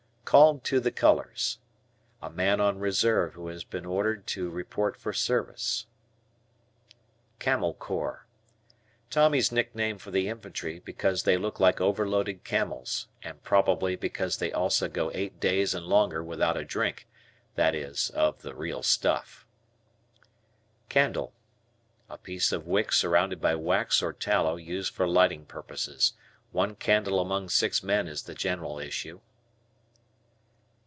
C "Called to the colors." A man on reserve who has been ordered to report for service. "Camel Corps." Tommy's nickname for the Infantry because they look like overloaded camels, and probably because they also go eight days, and longer, without a drink, that is, of the real stuff. Candle. A piece of wick surrounded by wax or tallow used for lighting purposes. One candle among six men is the general issue.